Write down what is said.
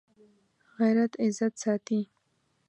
غیرت عزت ساتي